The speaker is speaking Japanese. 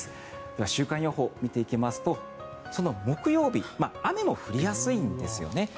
では、週間予報を見ていきますとその木曜日雨も降りやすいんですよね。